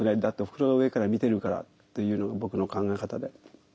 だっておふくろが上から見てるからっていうのが僕の考え方で。